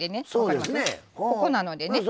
ここなのでね。